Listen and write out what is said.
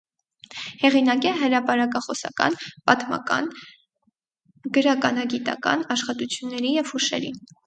Հեղինակ է հրապարակախոսական, պատմական, գրականագիտական աշխատությունների և հուշերի։